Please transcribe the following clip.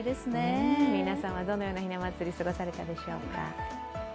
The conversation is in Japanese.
皆様、どのようなひな祭り、過ごされたでしょうか？